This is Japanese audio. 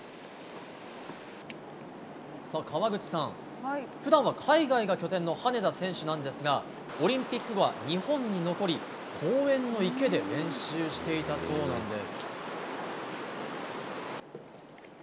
川口さん、普段は海外が拠点の羽根田選手ですがオリンピック後は日本に残り公園の池で練習していたそうなんです。